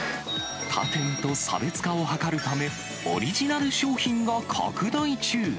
他店と差別化を図るため、オリジナル商品が拡大中。